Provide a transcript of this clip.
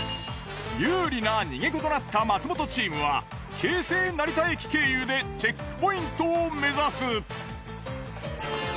有利な逃げ子となった松本チームは京成成田駅経由でチェックポイントを目指す。